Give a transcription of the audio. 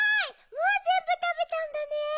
もうぜんぶたべたんだね。